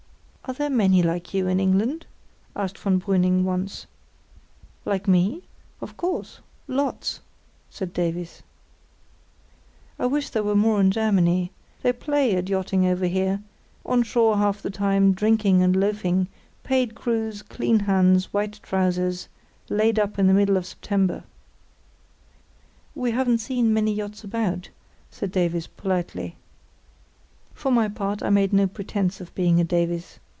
"Are there many like you in England?" asked von Brüning once. "Like me? Of course—lots," said Davies. "I wish there were more in Germany; they play at yachting over here—on shore half the time, drinking and loafing; paid crews, clean hands, white trousers; laid up in the middle of September." "We haven't seen many yachts about, said Davies, politely. For my part, I made no pretence of being a Davies.